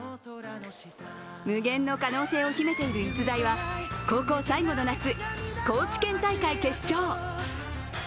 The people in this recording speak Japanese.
無限の可能性を秘めている逸材は高校最後の夏高知県大会決勝。